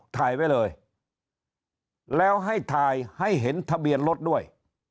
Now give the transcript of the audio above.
ถ่ายไว้เลยแล้วให้ถ่ายให้เห็นทะเบียนรถด้วย